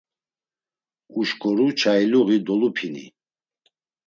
Uşǩoru çailuği dolupini.